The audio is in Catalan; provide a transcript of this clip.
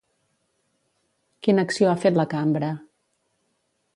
Quina acció ha fet la cambra?